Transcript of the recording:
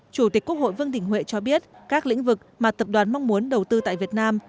chủ tịch quốc hội vương đình huệ cho biết các lĩnh vực mà tập đoàn mong muốn đầu tư tại việt nam